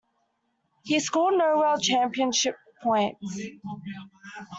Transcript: He scored no World Championship points.